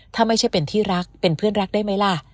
ถ้าไม่ใช่เป็นที่รักเป็นเพื่อนรักได้ไหมล่ะ